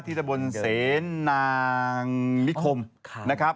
ที่ตะบนเศรษฐ์นางนิคมนะครับ